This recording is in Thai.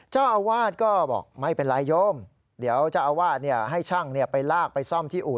เจ้าอาวาสก็บอกไม่เป็นไรโยมเดี๋ยวเจ้าอาวาสให้ช่างไปลากไปซ่อมที่อู่